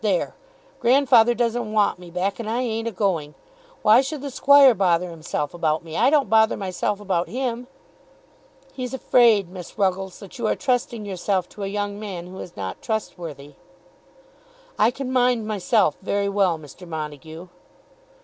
There! Grandfather doesn't want me back, and I ain't a going. Why should the Squire bother himself about me? I don't bother myself about him." "He's afraid, Miss Ruggles, that you are trusting yourself to a young man who is not trustworthy." "I can mind myself very well, Mr. Montague."